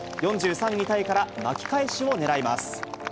４３位タイから巻き返しをねらいます。